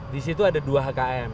disitu ada dua hkm